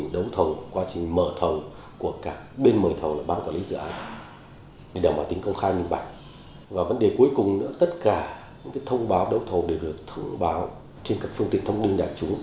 đấu thầu có hai giai đoạn là giai đoạn báo trên các phương tiện thông minh đạt trúng